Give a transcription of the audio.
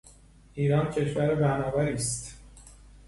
ایران کشور پهناوری است.